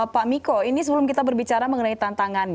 pak miko ini sebelum kita berbicara mengenai tantangan